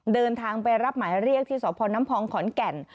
เดินทางไปรับหมายเรียกที่สพน้ำพองขอนแก่น